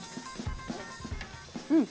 うん！